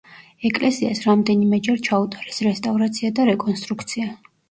ეკლესიას რამდენიმეჯერ ჩაუტარეს რესტავრაცია და რეკონსტრუქცია.